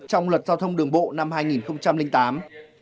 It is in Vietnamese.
trong luật giao thông đường bộ năm hai nghìn tám